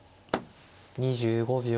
２５秒。